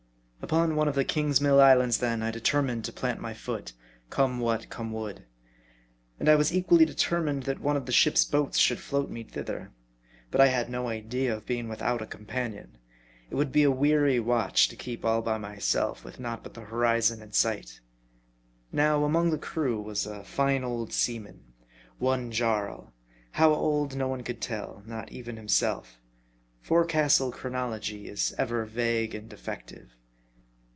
. Upon one of the Kingsmill islands, then, I determined to 24 M A R D I. plant my foot, come what come would. And I was equally determined that one of the ship's boats should float me thither. But I had no idea of being without a companion. It would be a weary watch to keep all by myself, with naught but the horizon in sight. Now, among the crew was a fine old seaman, one Jaii ; how old, no one could tell, not even himself. Forecastle chronology is ever vague and defective.